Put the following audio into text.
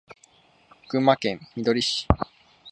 群馬県みどり市